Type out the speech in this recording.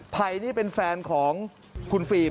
ภัยนี่เป็นแฟนของคุณฟิล์ม